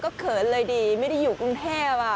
ก็เขินเลยดีไม่ได้อยู่กรุงเทพ